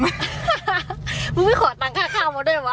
พอมึงคอตังค่าข้าวมาด้วยพระ